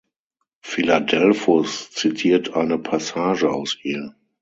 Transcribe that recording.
Philadelphos zitiert eine Passage aus ihr.